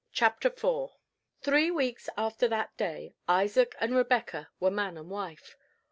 CHAPTER IV. THREE weeks after that day Isaac and Rebecca were man and wife.